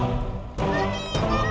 pak retek kalah